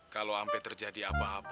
kalau ampe terjadi apa apa sama gue